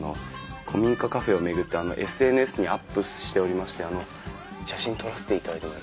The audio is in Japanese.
古民家カフェを巡ってＳＮＳにアップしておりましてあの写真撮らせていただいてもよろしいですか？